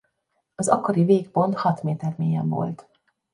Az akkori végpont hat méter mélyen volt.